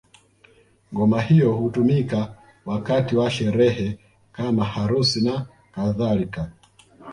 Ngoma hiyo hutumika wakati wa sherehe kama harusi na kadhalika